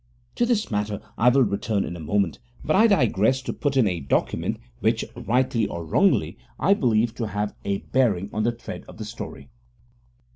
To this matter I will return in a moment, but I digress to put in a document which, rightly or wrongly, I believe to have a bearing on the thread of the story.